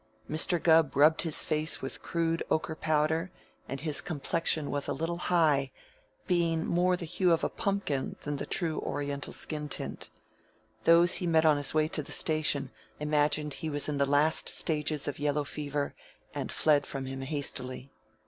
Mr. Gubb rubbed his face with crude ochre powder, and his complexion was a little high, being more the hue of a pumpkin than the true Oriental skin tint. Those he met on his way to the station imagined he was in the last stages of yellow fever, and fled from him hastily.